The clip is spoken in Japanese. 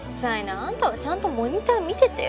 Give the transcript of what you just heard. あんたはちゃんとモニター見ててよ。